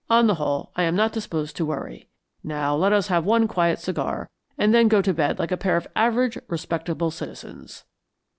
On the whole, I am not disposed to worry. Now let us have one quiet cigar, and then go to bed like a pair of average respectable citizens."